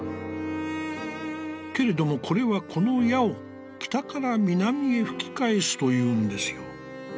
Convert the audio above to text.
「けれども、これは、この矢を北から南へ吹き返すというんですよ。